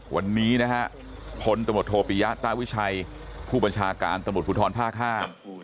วันนี้นะฮะพลตมธโภปิยะต้าวิชัยผู้บัญชาการตมธพภห้า